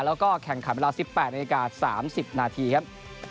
แล้วก็แข่งขันเวลา๑๘นาที๓๐นาทีครับ